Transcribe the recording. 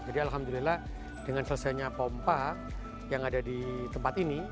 jadi alhamdulillah dengan selesainya pompa yang ada di tempat ini